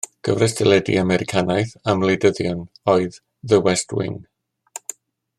Cyfres deledu Americanaidd am wleidyddion oedd The West Wing.